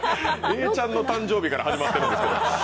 えいちゃんの誕生日から始まってるんですけど。